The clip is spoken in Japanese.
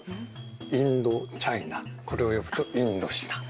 インドチャイナこれを呼ぶとインドシナ。